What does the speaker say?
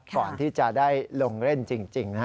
ก่อนที่จะได้ลงเล่นจริงนะฮะ